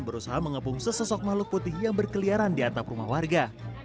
berusaha mengepung sesosok makhluk putih yang berkeliaran di atap rumah warga